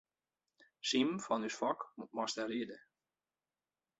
Simen fan ús Fok moast dêr ride.